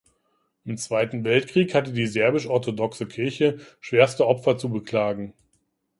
Im Zweiten Weltkrieg hatte die serbisch-orthodoxe Kirche schwerste Opfer zu beklagen.